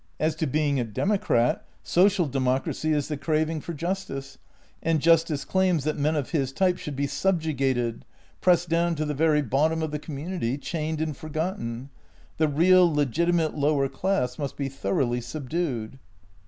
As to being a democrat — social democracy is the craving for justice, and justice claims that men of his type should be subjugated, pressed down to the very bottom of the community, chained and forgotten. The real, legitimate lower class must be thoroughly subdued."